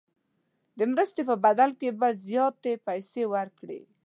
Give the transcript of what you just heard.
د مرستې په بدل کې به زیاتې پیسې ورکړي.